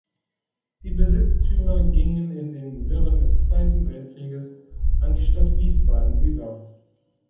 Die Besitztümer gingen in den Wirren des Zweiten Weltkrieges an die Stadt Wiesbaden über.